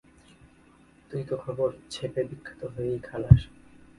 তুই তো খবর ছেঁপে বিখ্যাত হয়েই খালাস।